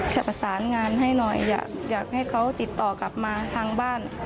จะประสานงานให้หน่อยอยากให้เขาติดต่อกลับมาทางบ้าน